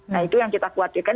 nah itu yang kita khawatirkan